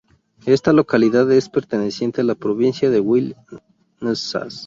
Esta localidad es perteneciente a la provincia de Wele-Nzas.